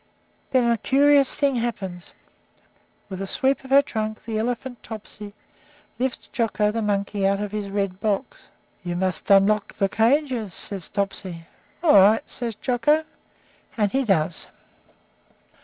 Then a curious thing happens: with a sweep of her trunk, the elephant Topsy lifts Jocko, the monkey, out of his red box. "You must unlock the cages," says Topsy. "All right," says Jocko. And he does.